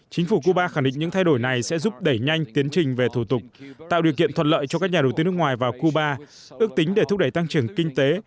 chính phủ cuba khẳng định những thay đổi này sẽ giúp đẩy nhanh tiến trình về thủ tục tạo điều kiện thuận lợi cho các nhà đầu tư nước ngoài vào cuba ước tính để thúc đẩy tăng trưởng kinh tế